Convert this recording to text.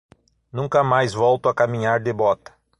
Nunca mais volto a caminhar de bota.